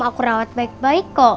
aku rawat baik baik kok